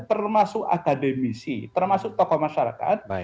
termasuk akademisi termasuk tokoh masyarakat